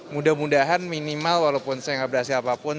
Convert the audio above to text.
mudah mudahan minimal walaupun saya nggak berhasil apapun